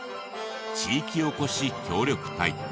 地域おこし協力隊。